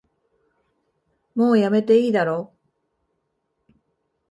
もうやめていいだろ